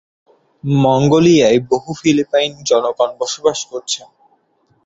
মঙ্গোলিয়ায় বহু ফিলিপাইন জনগণ বসবাস করছেন।